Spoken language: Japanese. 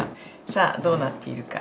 さあどうなっているか？